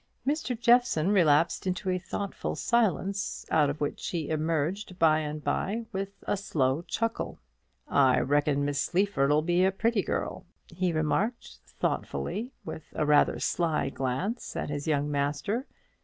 Mr. Jeffson relapsed into a thoughtful silence, out of which he emerged by and by with a slow chuckle. "I reckon Miss Sleaford'll be a pretty girl," he remarked, thoughtfully, with rather a sly glance at his young master.